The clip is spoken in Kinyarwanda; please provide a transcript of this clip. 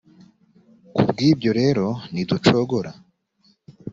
ku bw’ibyo rero ntiducogora